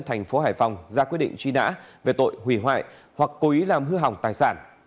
thành phố hải phòng ra quyết định truy nã về tội hủy hoại hoặc cố ý làm hư hỏng tài sản